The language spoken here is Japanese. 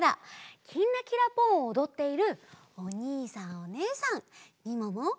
「きんらきらぽん」をおどっているおにいさんおねえさんみももやころ